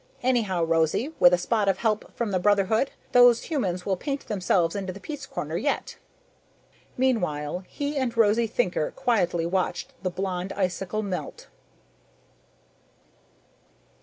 Anyhow, Rosie, with a spot of help from the Brotherhood, those humans will paint themselves into the peace corner yet." Meanwhile, he and Rose Thinker quietly watched the Blonde Icicle melt.